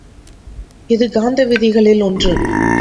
இது காந்த விதிகளில் ஒன்று.